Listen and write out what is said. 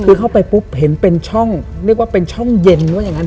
คือเข้าไปปุ๊บเห็นเป็นช่องเรียกว่าเป็นช่องเย็นว่าอย่างนั้น